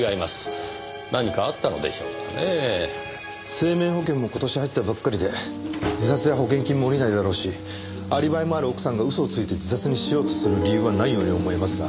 生命保険も今年入ったばっかりで自殺じゃ保険金も下りないだろうしアリバイもある奥さんが嘘をついて自殺にしようとする理由はないように思えますが。